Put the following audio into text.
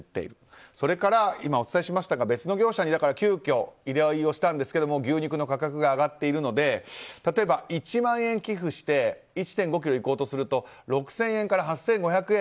それから、別の業者に急きょ依頼をしたんですが牛肉の価格が上がっているので例えば１万円寄付して１．５ｋｇいこうとすると６０００円から８０００円